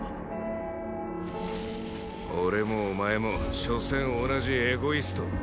俺もお前もしょせん同じエゴイスト。